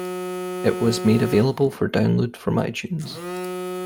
It was made available for download from iTunes.